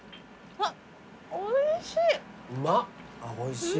あっおいしい。